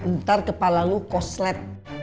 ntar kepala lu koslet